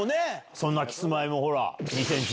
そんなキスマイも。